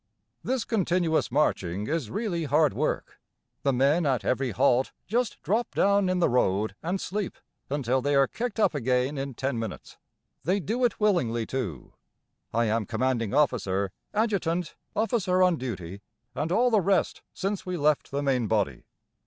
This continuous marching is really hard work. The men at every halt just drop down in the road and sleep until they are kicked up again in ten minutes. They do it willingly too. I am commanding officer, adjutant, officer on duty, and all the rest since we left the main body.